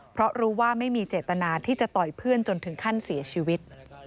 เพราะรู้ว่าไม่มีเจตนาที่จะต่อยเพื่อนจนถึงขั้นเสียชีวิต